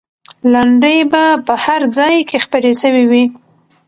لنډۍ به په هر ځای کې خپرې سوې وي.